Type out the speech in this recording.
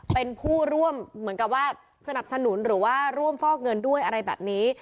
เป็นผู้ร่วมเหมือนกับว่าสนับสนุนหรือว่าร่วมฟอกเงินด้วยอะไรแบบนี้